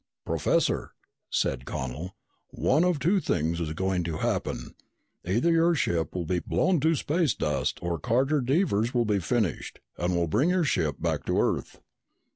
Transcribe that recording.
"Professor," said Connel, "one of two things is going to happen. Either your ship will be blown to space dust or Carter Devers will be finished and we'll bring your ship back to Earth!"